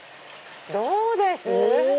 どうです？